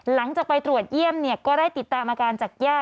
หลังจากไปตรวจเยี่ยมก็ได้ติดตามอาการจากย่า